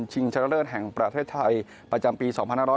ชนะเลิศแห่งประเทศไทยประจำปี๒๕๖๐